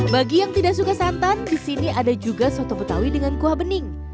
kalau tidak suka santan disini ada juga soto betawi dengan kuah bening